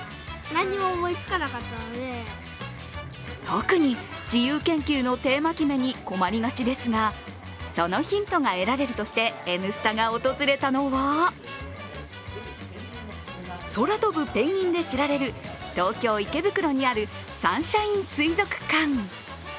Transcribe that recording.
特に自由研究のテーマ決めに困りがちですがそのヒントが得られるとして「Ｎスタ」が訪れたのは空飛ぶペンギンで知られる東京・池袋にあるサンシャイン水族館。